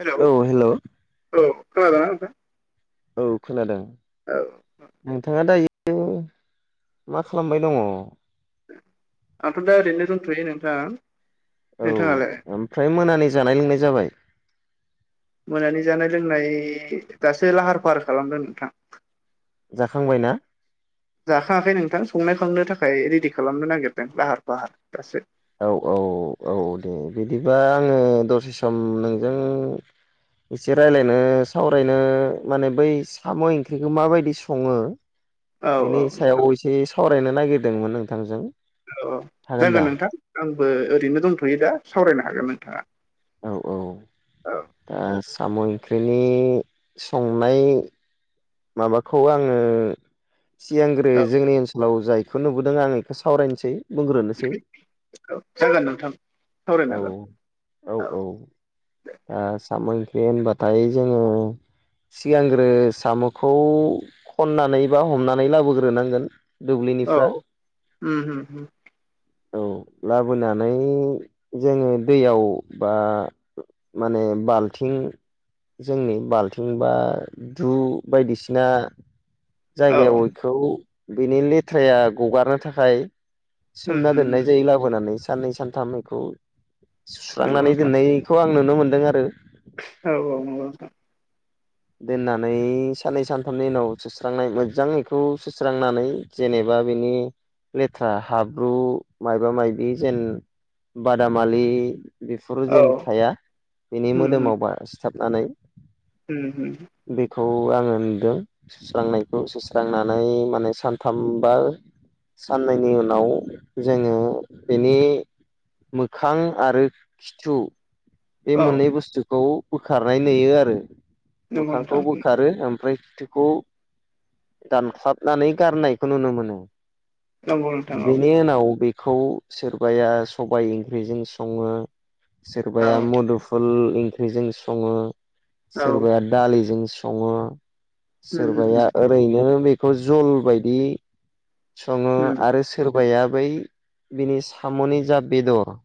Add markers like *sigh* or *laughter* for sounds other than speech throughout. हेल' औ खोनादोंना नोंथां? औ खोनादों। औ। नोंथाङा दायो मा खालामबाय दङ। आंथ' दा ओरैनो दोनथ'यो नोंथां नोंथाङालाय? फ्राय मोनानि जानाय लोंनाय जाबाय? मोनानि जानाय लोंनाय दासो लाहार फाहार खालामदों नोंथां। जाखांबाय ना? जाखाङाखै नोंथां संनाय खावनो थाखाय रेडि खालामनो नागिरदों लाहार फाहार दासो। औ औ औ दे बिदिबा आङो दसे सम नोंजों। एसे रायज्लायनो सावरायनो माने बै साम' ओंख्रिखौ माबायदि सङो? औ औ बेनि नोंथां सायाव एसे सावरायनो नागिरदोंमोन नोंथांजों। औ औ हागोन दा जागोन नोंथां आंबो ओरैनो दंथ'यो दा सावरायनो हागोन नोंथाङा। औ औ औ। दा साम' ओंख्रिनि संनाय माबाखौ आङो सिगांग्रो औ जोंनि ओनसोल लाव जायखौ नुबोदों आं बेखौ सावरायनोसै। बुंग्रोनोसै औ जागोन नोंथां सावरायनो हागोन औ औ-औ-औ। ओ साम' ओंख्रि होनबाथाय जोङो सिगांग्रो साम' खौ खननानै बा हमनानै लाबोग्रोनांगोन। दुब्लिनिफ्रा औ उम उम उम औ लाबोनानै जोङो दैयाव बा माने बाल्थिं जोंनि बाल्थिं बा दु बायदिसिना औ जायगायाव खौ बिनि लेथ्राया गगारनो थाखाय उम सोमना उम दोननाय उम जायो लाबोनानै। साननै सानथामैखौ नंगौ सुस्रांनानै नोंथां दोननायखौ आं नुनो मोनदों आरो। औ औ नंगौ नोंथां। दोननानै साननै सानथामनि उनाव सुस्रांनाय मोजां बेखौ सुस्रांनानै जेनेबा बिनि लेथ्रा हाब्रु मायबा मायाबि जेन बादामालि बेफोर औ जेन थाया बेनि मोदोमाव बा सिथाबनानै हुम हुम। बेखौ आङो नुदों। सुस्रांनायखौ सुस्रांनानै माने सानथामबा साननैनि उनाव जोङो बेनि मोखां आरो खिथु बे औ मोननै बुस्थुखौ बोखारनाय नुयो आरो नंगौ मोखांखौ नोंथां बोखारो ओमफ्राय खिथुखौ दानख्लाबनानै गारनायखौ नुनो मोनो। नंगौ नोंथां औ बेनि उनाव बेखौ सोरबाया सबाय ओंख्रिजों सङो सोरबाया मदुफुल ओंख्रिजों सङो औ सोरबाया दालिजों सङो उम सोरबाया उम ओैनो बेखौ जल बादि संङो उम आरो स सोरबाया बै बिनि साम'नि जा बेदर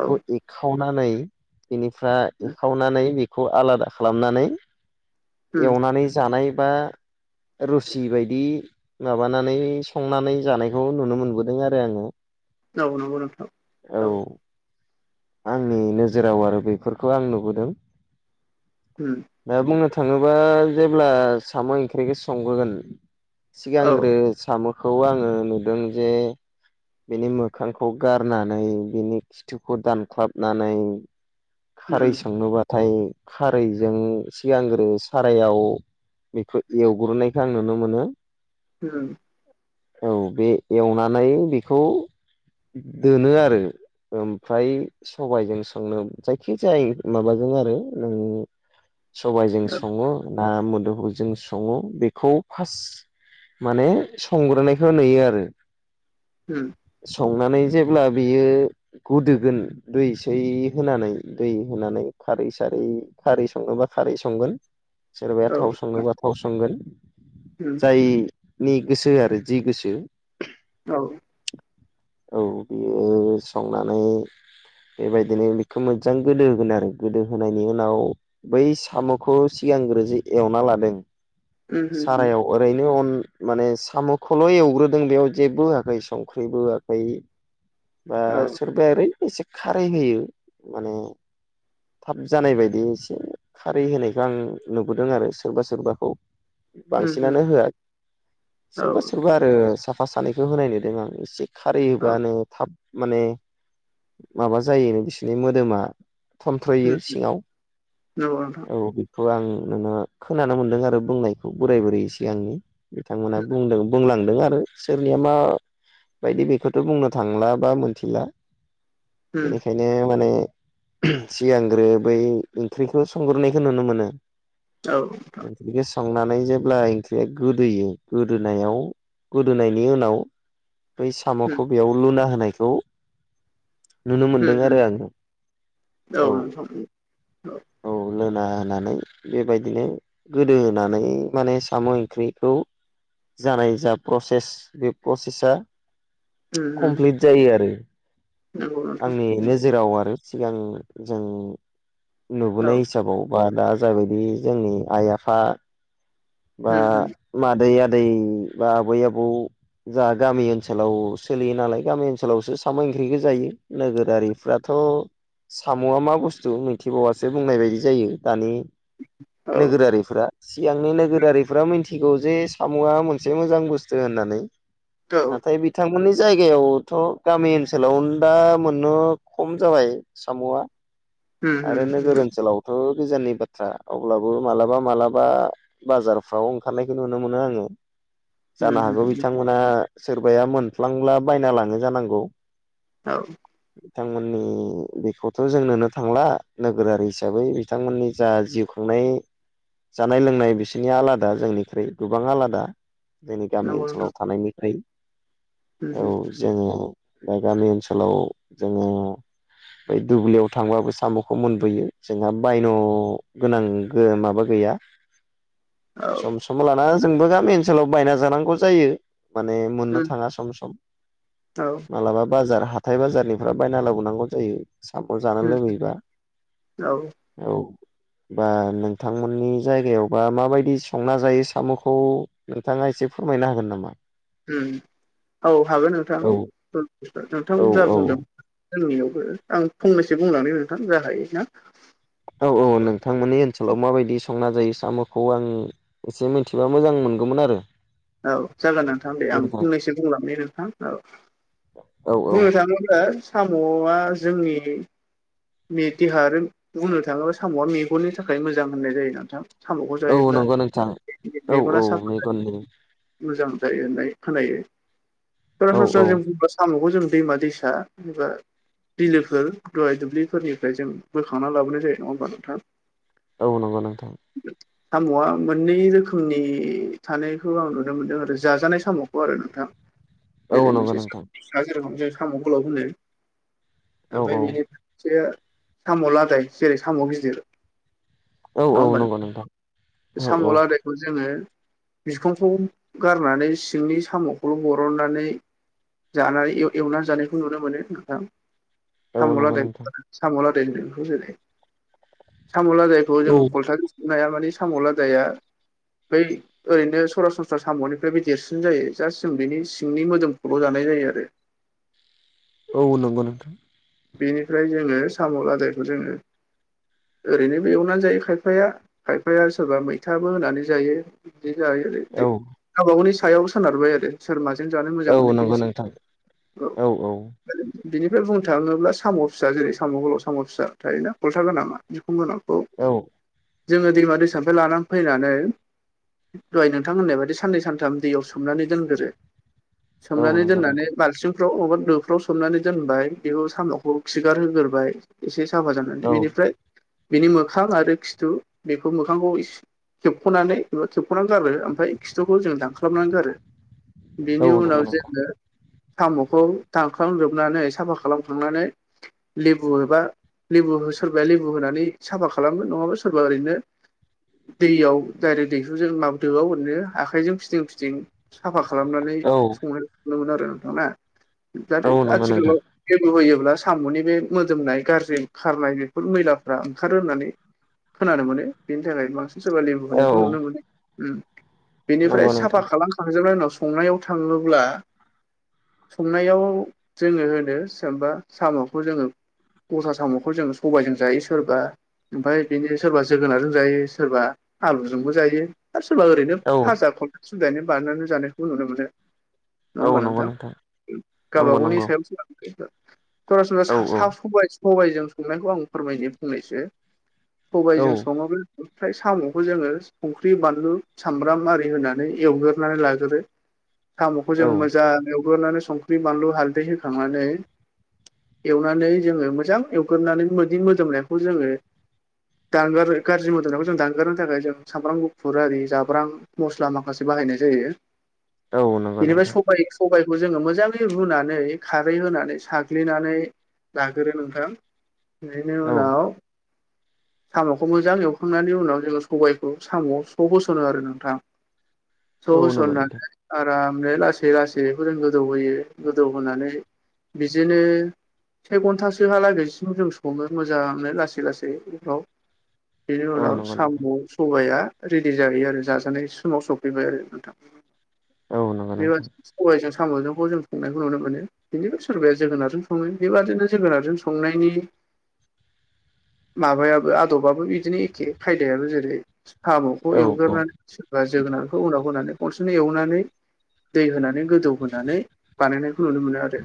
औ एखावनानै बेनिफ्राय उम एखावनानै खौ आलादा खालामनानै औ एवनानै जानाय बा रुसि बायदि माबानानै संनानै जानायखौ नुनो मोनबोदों आरो आङो। औ नंगौ नोंथां औ। आंनि नोजोराव आरो बेफोरखौ आं नुबोदों। उम। ओ बुंनो थाङोबा जेब्ला साम' ओंख्रिखौ संगोगोन औ सिगांग्रो साम' खौ आङो नुदों जे बिनि मोखांखौ गारनानै बिनि खिथुखौ दानख्लाबनानै उम खारै संनोबा थाय खारैजों सिगांग्रो सारायाव बेखौ एवग्रोनायखौ आं नुनो मोनो *inaudible* औ बे एवनानै बेखौ दोनो आरो ओमफ्राय सबाइजों संनो जायखि जाय माबाजों आरो उम सबायाइजों औ सङो ना मोदोफुल जों संङो बेखौ फार्स्ट माने संग्रोनायखौ नुयो आरो। उम। संनानै जेब्ला बियो गदोगोन दै सै होनानै दै होनानै खारै सारै खारै संनोबा बा खारै संगोन सोरबाया औ थाव सङोबा थाव संगोन उ *unintelligible* जायनि गोसो आरो जि गोसो औ। औ बियो संनानै बेबायदिनो बेखौ मोजां गोदो होगोन आरो गोदो होनायनि उनाव बै साम'खौ सिगांग्रो जे एवना लादों उम उम सारायाव अरैनो अन माने साम'खौल' एवग्रोदों बेयाव जेबो होआखै संख्रिबो होआखै बा औ सोरबाया ओरैनो एसे खारै होयो माने थाब जानाय बायदि एसे खारै होनायखौ आं नुबोदों आरो सोरबा सोरबाखौ। बांसिनानो होआ औ सोरबा उम सोरबा आरो साफा सानैखौ होनाय नुदों आं एसे। खारै होबानो थाब माने माबा जायो बिसिनि मोदोमा थन्थ्रयो सिङाव नंगौ नोंथां औ। खौ आं नुनो खोनानो मोनदों आरो बुंनायखौ बोराय बुरै से सिगांनि बिथांमोना बुंदों बुंलांदों आरो सोरनिया मा बायदि बेखौथ' बुंनो थांला बा मोनथिला बेनिखाय बिदिनो माने सिगांग्रो बै ओंख्रिखौ संग्रोनायखौ नुनो मोनो। औ *unintelligible* बि संनानै जेब्ला ओंख्रिया गोदोयो गोदोनायाव गोदोनायनि उनाव बै साम'खौ बेयाव लुना होनायखौ नुनो मोनदों आरो आङो औ *unintelligible* औ लोना होनानै बेबायदिनो गोदो होनानै माने साम' ओंख्रिखौ जानाय जा प्रसेस बे प्रसेसा कमप्लिट जायो आरो। आंनि नोजोराव आरो सिगां जों नुबोनाय हिसाबाव बा दा जाबायदि जोंनि आइ आफा बा उम उम मादै आदै बा आबै आबौ जा गामि ओनसोलाव सोलियो नालाय गामि ओनसोलावसो साम' ओंख्रिखौ जायो। नोगोरारिफ्राथ' साम'आ मा बुस्थु मिथिबावासो बुंनाय बायदि जायो दानि औ नोगोरारिफोरा। सिगांनि नोगोरारिफोरा मिथिगौ जे साम'आ मोनसे मोजां बुस्थु होननानै। नोंथां औ उम नंगौ नोंथां औ उम औ उम औ नंगौ नोंथां उम नाथाय बिथांमोननि जायगायावथ' गामि ओनसोलाव दा मोननो खम जाबाय साम'आ। उम आरो औ नोगोर ओनसोलावथ' गोजाननि बाथ्रा अब्लाबो मालाबा मालाबा बाजारफ्राव ओंखारनायखौ नुनो मोनो आङो। जानो हागौ बिथांमोना सोरबाया मोनफ्लांब्ला बायना लाङो जानांगौ। औ। बिथांमोननि बेखौथ' जों नोनो थांला नोगोरारि हिसाबै बिथांमोननि जा जिउ खुंनाय जानाय लोंनाय बिसोरनिया आलादा जोंनिख्रुइ गोबां आलादा जोंनि गामि ओनसोलाव थानायनिफ्राय औ जोङो गामि ओनसोलाव जोङो बै दुब्लियाव थांबाबो साम'खौ मोनबोयो जोंहा बायन गोनां गो माबा गैया सम सम लाना जोंबो गामि ओनसोलाव बायना जानांगौ जायो माने मनो थाङा सम सम औ मालाबा बाजार हाथाय बाजारनिफ्राय बायना लाबोनांगौ जायो सा जानो उम लोंहैबा औ औ बा नोंथांमोननि जायगायावबा माबायदि संना जायो साम'खौ नोंथाङा एसे फोरमायनो हागोन नामा? ओम औ हागोन नोंथां औ नोंथां औ जा औ बुंदों जोंनियावबो आं फंनैसो बुंलनानै नोंथां ज हायो ना। औ औ नोंथांमोननि ओनसोलाव माबायदि संना जायो साम'खौ आं एसे मिथिबा मोजां मोनगौमोन आरो औ जागोन नोंथां दे आं फंनैसो बुंलांनि नोंथां औ औ औ बुंनो थाङोब्ला साम'आ जोंनि मे देह बुंनो थाङोब्ला साम'आ मेगननि थाखाय मोजां होननाय जायो नोंथां साम'खौ औ जायोब्ला मेगना साफा ओम मोजां थायो होननाय खोनायो औ सरासनस्रा औ जों बुंबा साम'खौ जों दैमा दैसा एबा बिलोफोर दहाय दुब्लिफोरनिफ्राय जों बोखांना लाबोनाय जायो नङा होमबा नोंथां औ नंगौ नोंथां साम'आ मोननै रोखोमनि थानाय खौ आं नुनो मोन्दों आरो जाजानाय समावखौ आरो नोंथां औ नंगौ जेरैनोस नोंथां सा जेरखम जों साम' गोलब होनदों औ औ ओमफ्राय बिनि से साम' लादाय जेरै साम' गिदिर औ नङा औ नंगौ होमबानो नोंथां औ साम' औ लादायखौ जोङो बिखांखौ गारनानै सिंनि साम'खौल' बरननानै जानानै एल एवनानै जानायखौ नुनो मोनो नोंथां औ साम नंगौ लादाय नोंथां साम लादाय जेरै साम लादाय थ' औ जोंङो कलथारनाया मानि साम' लादाया बै ओरैनो सरासनस्रा साम'निफ्रायबो देरसिन जायो जास्ट जों बेनि सिंनि मोदोमखौल' जानाय जायो आरो। औ नंगौ नोंथां बेनिफ्राय जोङो साम' लादायखौ जोङो ओरैनोबो एवनानै जायो खायफाया खायफाया सोरबा मैथाबो होनानै जायो बिदि जायो। जेरैहाय औ गावबा गावनि सायाव सोनारबाय आरो। सोर माजों जानो मोजां औ मोनो नंगौ बेनोसै नोंथां औ। बिनिफ्राय बुंनो थाङोब्ला साम' फिसा जेरै साम' गोलाव साम' फिसा थायोना खलथा गोनाङा। बिखुं गोनांखौ औ जोङो दैमा दैसानिफाय लानानै फैनानै दहाय नोंथां होननाय बायदि साननै सानथाम दैयाव सोमनानै दोनग्रो। औ सोमनानै नंगौ दोननानै नोंथां बाल्थिंफ्राव अबा दोफ्राव सोमनानै दोनबाय। बेयाव साम'खौ खिगारहोग्रोबाय एसे साफा जानानै औ बेनिफ्राय बिनि मोखां आरो खिथु बेखौ मोखांखौ इस खेबख'नानै एबा खेबख'नानै गारो ओमफाय खिथुखौ जों दानख्लाबनानै गारो। बिनि औ नंगौ नोंथां औ नंगौ नोंथां औ नंगौ उनाव जोङो साम'खौ दानख्लाम जोबनानै साफा खालामखांनानै लेबु एबा लेबु हो सोरबाया लेबु होनानै साफा खालागोन नङाबा सोरबा ओरैनो दैयाव दायरेक्ट दैहुजों माबा दोआव ओरैनो आखाइजों फिदिं फिदिं साफा खालामनानै संनो नुनो मोनो आरो नोंथां ना नाथाय आथिखालाव लेबु होयोब्ला साम'नि बे मोदोमनाय गाज्रि खारनाय बेफोर मैलाफ्रा ओंखारो होननानै खोनानो मोनो बेनि थाखाय बांसि सोरबा लेमबु होनायखौ नुनो मोनो उम बेनिफ्राय साफा नोंथां खालाम खांजोबनाय उनाव संनायाव थाङोब्ला संनायाव जोङो होनो *unintelligible* साम'खौ जोङो ग'था साम'खौ जोङो सबायजों जायो सोरबा ओमफाय बिनि सोरबा जोगोनारजों जायो सोरबा आलुजोंबो जायो आरो सोरबा ओरैनो औ भाजा *unintelligible* बानायनानै जानायखौबो नुनो मोनो। नङा औ होमबा नंगौ नोंथां गावबा नंगौ गावनि नंगौ सायाव *unintelligible* औ सरासनसा सा सबाइ सबाइजों संनायखौ आं फोरमायनि फंनैसो। औ सबाइजों सङो *inaudible* थाय साम'खौ जोङो संख्रि बानलु सामब्राम आरि होनानै एवग्रोनानै लाग्रो। साम'खौ जों औ मोजां एवग्रोनानै संख्रि बानलु हालदै होखांना नै एवनानै जोङो मोजां एवग्रोनानै मोदि मोदोमनायखौ जोङो दानगारो गाज्रि मोदोमनायखौ जों दानगारनो थाखाय जों सामब्राम गुफुर आरि जाब्रां मस्ला माखासे बाहायनाय जायो। औ *inaudible* नंगौ बेनिफाय नोंथां सबाइ सबाइखौ जोङो मोजाङै रुनानै खारै होनानै साग्लिनानै लाग्रो नोंथां बेनि औ उनाव साम'खौ मोजां एवखांनायनि उनाव जोङो सबाइखौ साम'आव स' होस'नो आरो नोंथां। स' औ नंगौ नोंथां होसननानै आरामनो लासै लासै *unintelligible* गोदौहोयो गोदौ होनानै बिजोनो से घन्टासोहा लागैसिम जों सङो मोजाङै लासै लासै बेफ्राव। बेनि औ उनाव नंगौ नोंथां साम' सबाइआ रेडि जाहैयो आरो जाजानाय समाव सफैबाय आरो नोंथां औ नंगौ नोंथां बेबादि सबाइजों साम'जोंखौ जों संनायखौ नुनो मोनो। *unintelligible* सोरबाया जोगोनारजों सङो बेबादिनो जोगोनारजों संनायनि माबायाबो आदबाबो इदिनो एखे खायदायाबो जेरै साम'खौ औ एवग्रोनानै सोरबा जोगोनारखौ उनाव होनानै खनसेनो एवनानै दै होनानै गोदौ होनानै बानायनायखौ नुनो मोनो आरो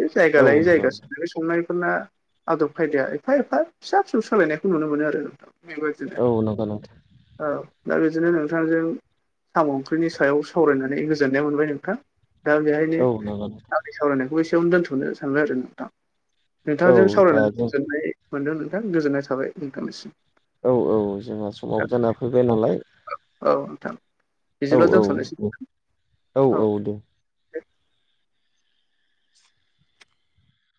बे जायगा औ औ लायै नंगौ जायगासो संनायफोरना आदब खायदाया एफा एफा फिसा फिसौ सोलायनायखौ नुनो मोनो आरो नोंथां। बेबायदिनो औ नंगौ नोंथां औ दा बिदिनो नोंथांजों साम' ओंख्रिनि सायाव सावरायनानै गोजोननाय मोनबाय नोंथां। दा बेहायनो औ नंगौ आंनि सावरायनायखौ एसेयावनो दोन्थ'नो सानबाय आरो नोंथां। नोंथां औ नोंथांजों दा सावरायनानै जों गोजोननाय मोनदों नोंथां गोजोननाय थाबाय नोंथांनिसिम। औ औ जोंहा समाबो जाना फैबाय नालाय। ओ औ नोंथां औ बिदिब्ला औ दोनथ'नोसै। औ औ दे।